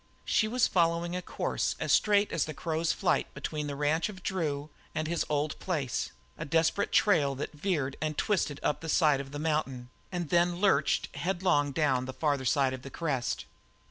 She was following a course as straight as a crow's flight between the ranch of Drew and his old place, a desperate trail that veered and twisted up the side of the mountain and then lurched headlong down on the farther side of the crest.